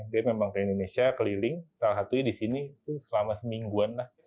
dia memang ke indonesia keliling salah satunya di sini tuh selama semingguan lah